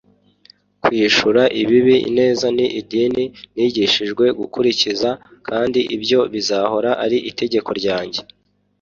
kwishura ibibi ineza ni idini nigishijwe gukurikiza, kandi ibyo bizahora ari itegeko ryanjye